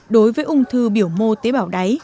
đối với ung thư biểu mô tế bào đáy